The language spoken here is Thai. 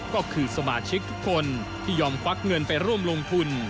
ก็คือสมาชิกทุกคนที่ยอมควักเงินไปร่วมลงทุน